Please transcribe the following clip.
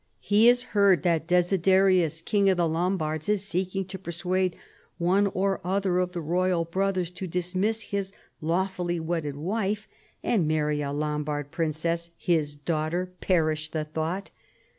He has heard that Desiderius King of the Lombards is seeking to persuade one or other of the royal brothers to dis miss his lawfully wedded wife and marry a Lombard princess, his daughter. Perish the thought